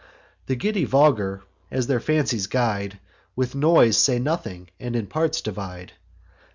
The giddy vulgar, as their fancies guide, With noise say nothing, and in parts divide.